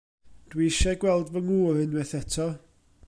Dw i eisiau gweld fy ngŵr unwaith eto.